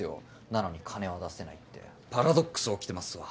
なのに金は出せないってパラドックス起きてますわ。